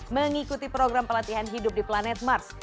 mengikuti program pelatihan hidup di planet mars